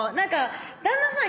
旦那さん